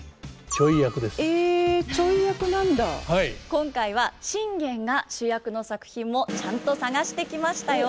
今回は信玄が主役の作品もちゃんと探してきましたよ。